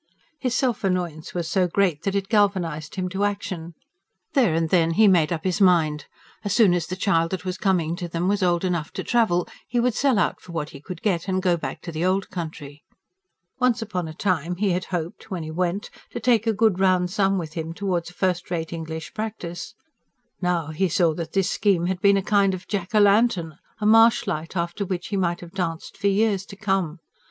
His self annoyance was so great that it galvanised him to action. There and then he made up his mind: as soon as the child that was coming to them was old enough to travel, he would sell out for what he could get, and go back to the old country. Once upon a time he had hoped, when he went, to take a good round sum with him towards a first rate English practice. Now he saw that this scheme had been a kind of Jack o' lantern a marsh light after which he might have danced for years to come.